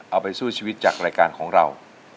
เอาไปสู้ชีวิตจากรายการของเรา